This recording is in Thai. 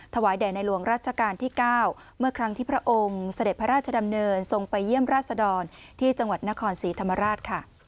แด่ในหลวงรัชกาลที่๙เมื่อครั้งที่พระองค์เสด็จพระราชดำเนินทรงไปเยี่ยมราชดรที่จังหวัดนครศรีธรรมราชค่ะ